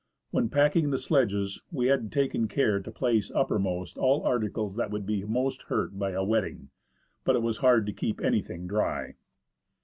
When packing the sledges, we had taken care to place uppermost all articles that would be most hurt by a wetting, but it was hard to keep anything dry.